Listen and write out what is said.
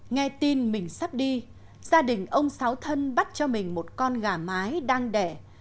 nghe tin mình sắp đi gia đình ông sáu thân bắt cho mình một con gà mái đang đẻ